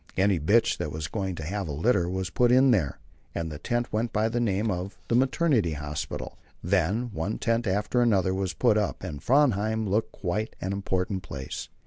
Any bitch that was going to have a litter was put in there, and the tent went by the name of "the maternity hospital." Then one tent after another was put up, and Framheim looked quite an important place.